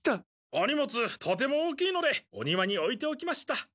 お荷物とても大きいのでお庭においておきました。